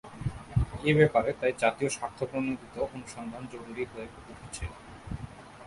এ ব্যাপারে তাই জাতীয় স্বার্থপ্রণোদিত অনুসন্ধান জরুরি হয়ে উঠেছে।